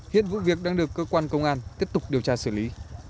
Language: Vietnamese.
hiện vụ việc đang được cơ quan công an tiếp tục điều tra xử lý